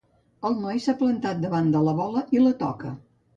El noi s'ha plantat davant de la bola i la toca.